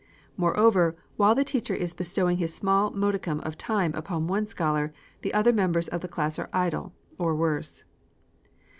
Moreover, while the teacher is bestowing his small modicum of time upon one scholar, all the other members of the class are idle, or worse.